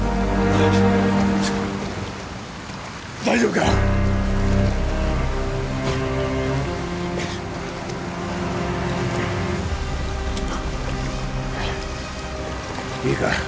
大丈夫か？